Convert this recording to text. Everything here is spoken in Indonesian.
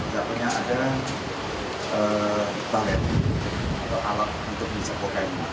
sasunya ada balet atau alat untuk disembokan